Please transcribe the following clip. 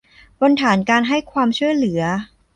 บนฐานการให้ความช่วยเหลือ